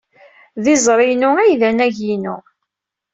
D izri-inu ay d anagi-inu.